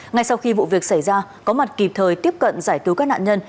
ngay sau khi vụ việc xảy ra có mặt kịp thời tiếp cận giải cứu các nạn nhân